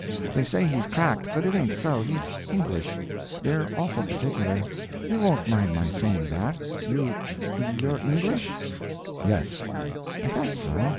They say he's cracked, but it ain't so, he's English—they're awful particular. You won't mind my saying that. You—you're English?" "Yes." "I thought so.